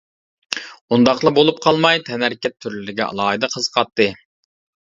ئۇنداقلا بولۇپ قالماي تەنھەرىكەت تۈرلىرىگە ئالاھىدە قىزىقاتتى.